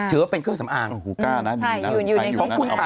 ถือว่าเป็นเครื่องสำอาง